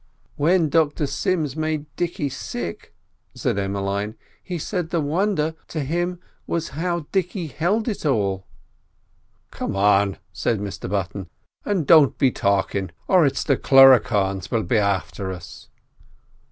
"When Dr Sims made Dicky sick," said Emmeline, "he said the wonder t'im was how Dicky held it all." "Come on," said Mr Button, "an' don't be talkin', or it's the Cluricaunes will be after us."